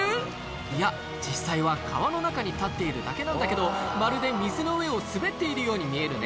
いや実際は川の中に立っているだけなんだけどまるで水の上を滑っているように見えるね